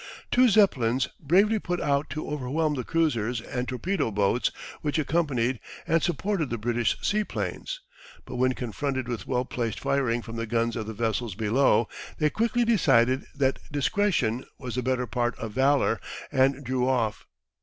Two Zeppelins bravely put out to overwhelm the cruisers and torpedo boats which accompanied and supported the British sea planes, but when confronted with well placed firing from the guns of the vessels below they quickly decided that discretion was the better part of valour and drew off.